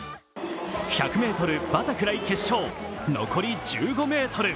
１００ｍバタフライ決勝残り１５ｍ。